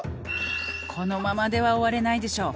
「このままでは終われないでしょ」